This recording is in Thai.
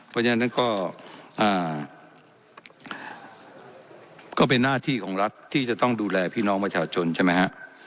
เพราะฉะนั้นก็เป็นหน้าที่ของรัฐที่จะต้องดูแลพี่น้องประชาชนใช่ไหมฮะ